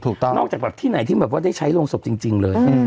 นอกจากแบบที่ไหนที่ได้ใช้โรงศพจริงจริงเลย